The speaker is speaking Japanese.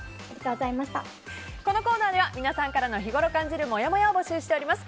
このコーナーでは皆さんからの日ごろ感じるもやもやを募集しております。